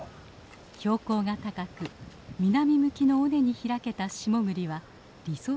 標高が高く南向きの尾根に開けた下栗は理想的な環境なのです。